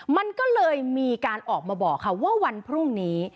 มันก็เลยมีการออกมาบอกค่ะว่าวันพรุ่งนี้